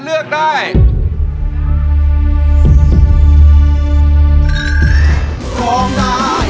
เพลงนี้ที่๕หมื่นบาทแล้วน้องแคน